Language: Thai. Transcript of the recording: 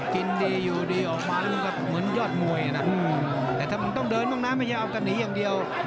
กินดีอยู่ดีออกมามันเหมือนยอดมวยแต่ถ้ามันต้องเดินไม่ใช่เอาแต่หนีอย่างเดียว